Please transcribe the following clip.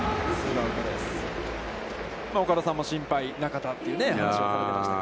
岡田さんも心配、中田という話をされてました。